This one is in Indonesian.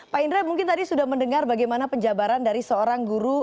pak indra mungkin tadi sudah mendengar bagaimana penjabaran dari seorang guru